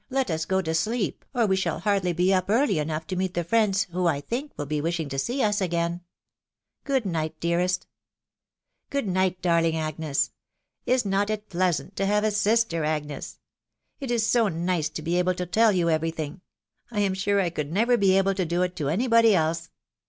let us go to sleep, or we shall hardly be up early enough to meet the friends who, I think, will be wishing to see us again .... Good night, dearest !"" Good night, darling Agnes !..•. Is not it pleasant to have a sister, Agnes ?.... It is so nice to be able to tell you every thing. ... I am sure I could never be able to do it to any body else.